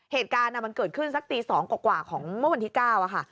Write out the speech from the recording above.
เหตุการณ์มันเกิดขึ้นสักตี๒กว่าของเมื่อวันที่๙ค่ะ